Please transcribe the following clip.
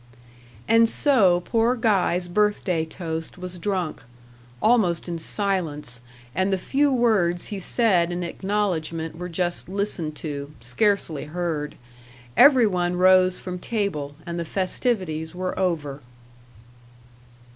'" And so poor Guy's birthday toast was drunk; almost in silence; and the few words he said in acknowledgment were just listened to, scarcely heard. Every one rose from table, and the festivities were over.